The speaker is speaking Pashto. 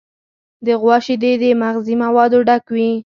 د غوا شیدې د مغذي موادو ډک دي.